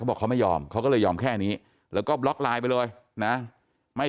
บอกเขาไม่ยอมเขาก็เลยยอมแค่นี้แล้วก็บล็อกไลน์ไปเลยนะไม่